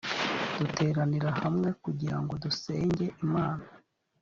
duteranira hamwe kugira ngo dusenge imana.